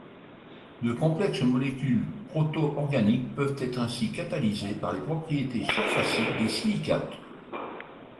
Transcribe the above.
De complexes molécules proto-organiques peuvent être ainsi catalysées par les propriétés surfaciques des silicates.